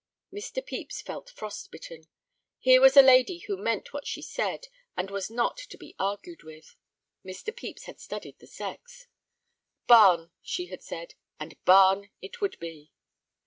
Mr. Pepys felt frost bitten. Here was a lady who meant what she said, and was not to be argued with. Mr. Pepys had studied the sex. "Barn" she had said, and "barn" it would be.